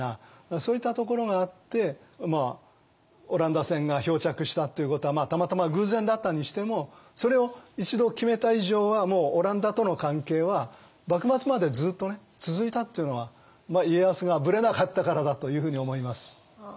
そういったところがあってオランダ船が漂着したっていうことはたまたま偶然だったにしてもそれを一度決めた以上はもうオランダとの関係は幕末までずっと続いたっていうのは家康がブレなかったからだというふうに思います。